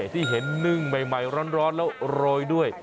ที่เห็นนึ่งใหม่ร้อนแล้วโรยด้วย